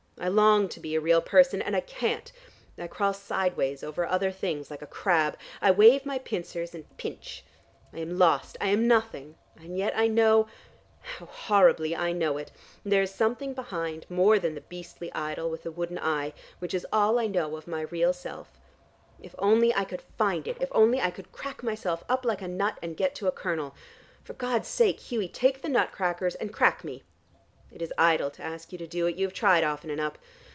I long to be a real person, and I can't. I crawl sideways over other things like a crab: I wave my pincers and pinch. I am lost: I am nothing! And yet I know how horribly I know it there is something behind, more than the beastly idol with the wooden eye, which is all I know of my real self. If only I could find it! If only I could crack myself up like a nut and get to a kernel. For God's sake, Hughie, take the nut crackers, and crack me. It is idle to ask you to do it. You have tried often enough.